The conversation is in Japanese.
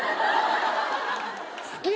好き！